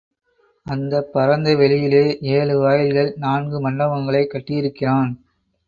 அந்தப் பரந்த வெளியிலே ஏழு வாயில்கள், நான்கு மண்டபங்களைக் கட்டியிருக்கிறான்.